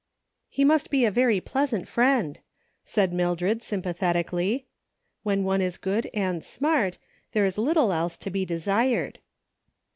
" He must be a very pleasant friend," said Mil dred sympathetically. " When one is good and smart, there is little else to be desired."